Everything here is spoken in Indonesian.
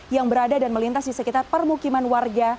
yang berada dan melintas di sekitar permukiman warga